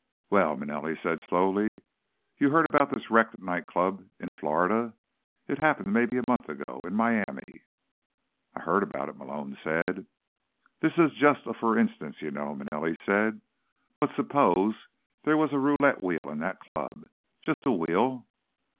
"Well," Manelli said slowly, "you heard about this wrecked night club in Florida? It happened maybe a month ago, in Miami?" "I heard about it," Malone said. "This is just a for instance, you know," Manelli said. "But suppose there was a roulette wheel in that club. Just a wheel."